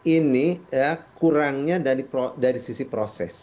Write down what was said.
ini kurangnya dari sisi proses